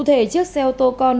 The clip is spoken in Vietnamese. cụ thể chiếc xe ô tô con